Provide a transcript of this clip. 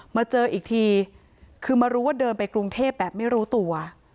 มาเจออีกทีคือมารู้ว่าเดินไปกรุงเทพแบบไม่รู้ตัว